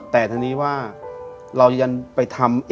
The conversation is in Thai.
แต่ทีนี้ว่าเรายันไปทำ